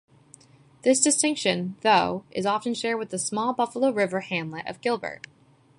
This distinction, though, is often shared with the small Buffalo River hamlet of Gilbert.